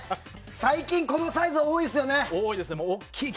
最近、このサイズ多いですよね。